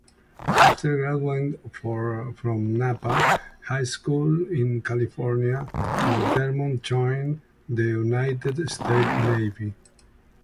After graduating from Napa High School in California, McDermott joined the United States Navy.